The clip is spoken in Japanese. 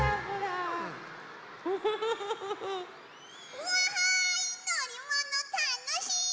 うわいのりものたのしい！